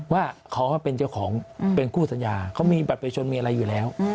ว่าเขาเป็นเจ้าของเป็นคู่สัญญาเขามีบัตรประชนมีอะไรอยู่แล้ว